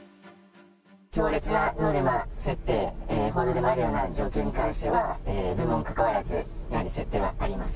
強烈なノルマ設定、報道でもあるような状況に関しては、部門かかわらず、やはり設定はあります。